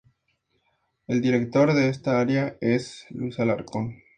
El director de esta área es Luis Alarcón.